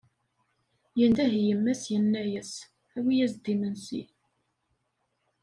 Yendeh i yemma-s yenna-as: Awi-as-d imensi!